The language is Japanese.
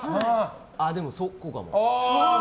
でも、そうかも。